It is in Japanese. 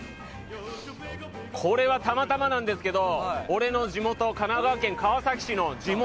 これは、たまたまなんですけど俺の地元・神奈川県川崎市。